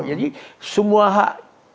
jadi semua hak